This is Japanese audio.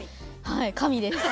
はい神です。